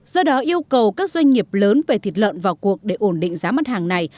do đó yêu cầu các doanh nghiệp lớn về thịt lợn vào cuộc để ổn định giá mặt hàng này